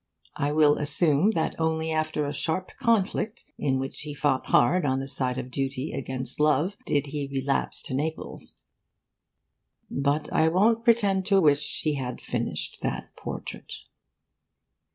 I will assume that only after a sharp conflict, in which he fought hard on the side of duty against love, did he relapse to Naples. But I won't pretend to wish he had finished that portrait.